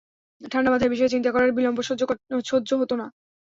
ঠাণ্ডা মাথায় এ বিষয়ে চিন্তা করার বিলম্ব সহ্য হত না।